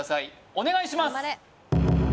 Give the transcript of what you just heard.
お願いします